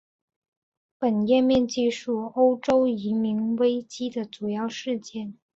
本页面记叙欧洲移民危机的主要事件。